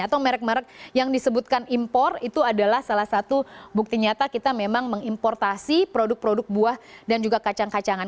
atau merek merek yang disebutkan impor itu adalah salah satu bukti nyata kita memang mengimportasi produk produk buah dan juga kacang kacangan